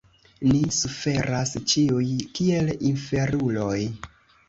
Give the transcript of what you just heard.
Ni suferas ĉiuj kiel inferuloj.